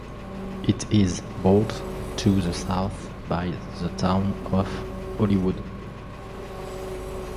It is bordered to the south by the town of Hollywood.